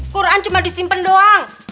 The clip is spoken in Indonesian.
quran cuma disimpen doang